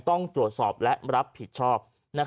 ต้องตรวจสอบและรับผิดชอบ